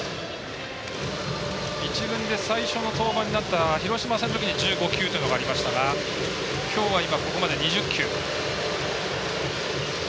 １軍で最初の登板になった広島戦のときに１５球というのがありましたがきょうは、今ここまで２０球。